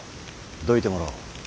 どいてもらおう。